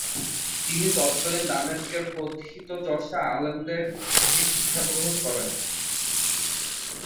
তিনি তৎকালীন দামেস্কের প্রথিতযশা আলেমদের থেকে শিক্ষাগ্রহণ করেন।